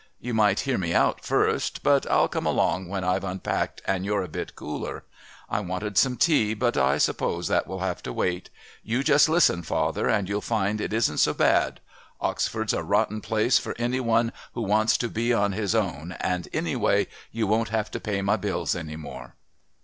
You might hear me out first. But I'll come along when I've unpacked and you're a bit cooler. I wanted some tea, but I suppose that will have to wait. You just listen, father, and you'll find it isn't so bad. Oxford's a rotten place for any one who wants to be on his own, and, anyway, you won't have to pay my bills any more."